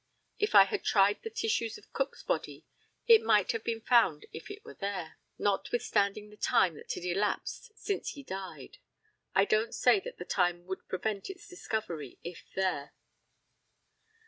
If I had tried the tissues of Cook's body it might have been found if it was there, notwithstanding the time that had elapsed since he died. I don't say that the time would prevent its discovery if there.